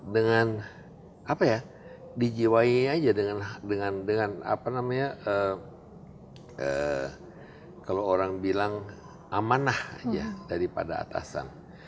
dengan apa ya dijiwai aja dengan apa namanya kalau orang bilang amanah aja daripada atasan